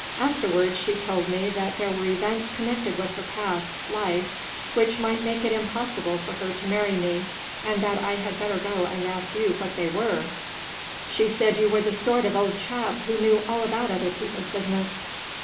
Afterwards she told me that there were events connected with her past life which might make it impossible for her to marry me, and that I had better go and ask you 2 io THE ROMANCE OF what they were. She said you were the sort of old chap who knew all about other people's business."